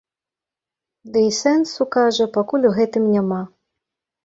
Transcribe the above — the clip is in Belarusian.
Ды і сэнсу, кажа, пакуль у гэтым няма.